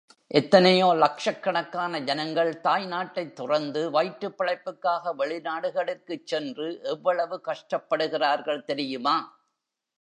எத்தனையோ லக்ஷக்கணக்கான ஜனங்கள் தாய் நாட்டைத் துறந்து வயிற்றுப் பிழைப்புக்காக வெளி நாடுகளுக்குச் சென்று எவ்வளவு கஷ்டப்படுகிறார்கள் தெரியுமா?